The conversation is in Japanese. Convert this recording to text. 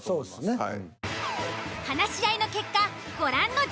はい。